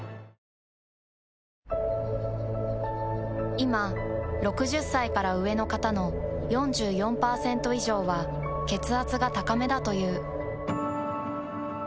いま６０歳から上の方の４４％以上は血圧が高めだという。